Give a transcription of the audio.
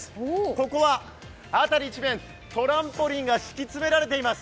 ここは辺り一面、トランポリンが敷き詰められています。